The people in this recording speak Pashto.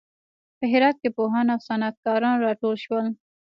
په هرات کې پوهان او صنعت کاران راټول شول.